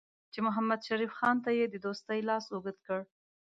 چې محمدشریف خان ته یې د دوستۍ لاس اوږد کړ.